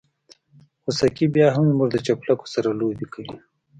خوسکي بيا هم زموږ د چپلکو سره لوبې کوي.